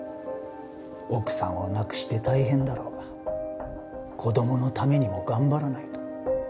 奥さんを亡くして大変だろうが子供のためにも頑張らないと。